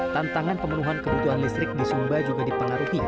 tantangan pemenuhan kebutuhan listrik di sumba juga dipengaruhi